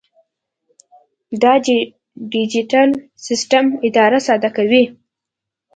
دا ډیجیټل سیسټم اداره ساده کوي.